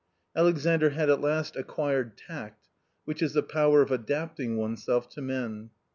Alexandr had at last acquired tact, which is the power of adapting oneself to men.